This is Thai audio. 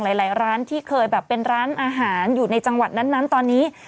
หลายร้านที่เคยแบบเป็นร้านอาหารอยู่ในจังหวัดนั้นตอนนี้